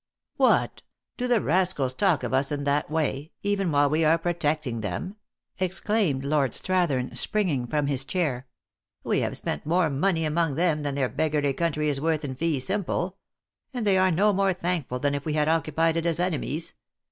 "What ! do the rascals talk of us in that way? even while we are protecting them," exclaimed Lord Strathern, springing from his chair. " We have spent more money among them than their beggarly country is worth in fee simple ; and they are no more thankful than if we had occupied it as enemies.